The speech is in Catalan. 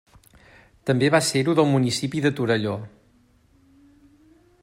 També va ser-ho del municipi de Torelló.